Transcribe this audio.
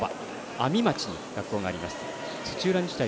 阿見町に学校があります。